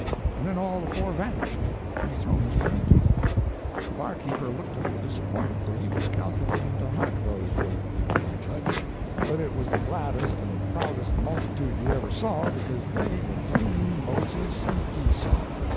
and then all the four vanished, and the thrones were empty. The barkeeper looked a little disappointed, for he was calculating to hug those old people, I judge; but it was the gladdest and proudest multitude you ever saw—because they had seen Moses and Esau.